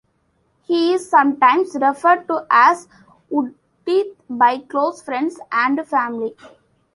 He is sometimes referred to as "Woodith" by close friends and family.